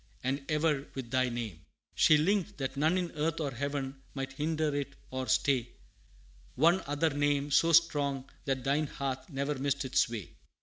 and ever with thy name "She link'd that none in earth or heaven might hinder it or stay One Other Name, so strong, that thine hath never missed its way.